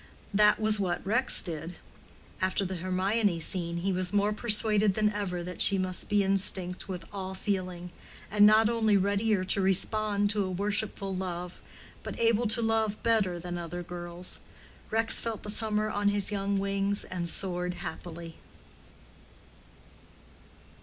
That was what Rex did. After the Hermione scene he was more persuaded than ever that she must be instinct with all feeling, and not only readier to respond to a worshipful love, but able to love better than other girls. Rex felt the summer on his young wings and soared happily.